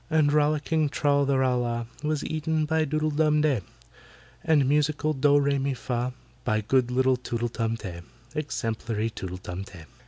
And rollicking TRAL THE RAL LAH Was eaten by DOODLE DUM DEY, And musical DOH REH MI FAH By good little TOOTLE DUM TEH— Exemplary TOOTLE TUM TEH!